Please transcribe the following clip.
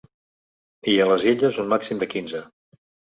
I a les Illes, un màxim de quinze.